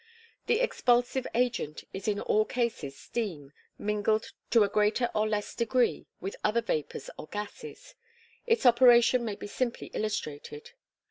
The expulsive agent is in all cases steam, mingled to a greater or less degree with other vapors or gases. Its operation may be simply illustrated.